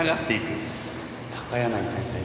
柳先生